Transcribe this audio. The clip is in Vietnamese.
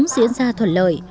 diễn ra thuận lợi